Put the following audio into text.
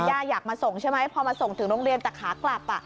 อยากมาส่งใช่ไหมพอมาส่งถึงโรงเรียนแต่ขากลับ